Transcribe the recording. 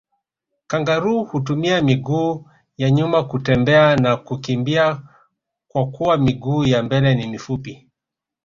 Kangaroo hutumia miguu ya nyuma kutembea na kukimbia kwakuwa miguu ya mbele ni mifupi